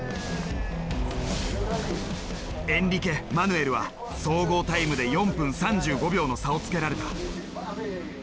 エンリケマヌエルは総合タイムで４分３５秒の差をつけられた。